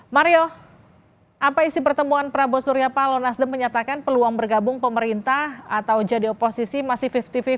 mario apa isi pertemuan prabowo surya palo nasdem menyatakan peluang bergabung pemerintah atau jadi oposisi masih lima puluh lima puluh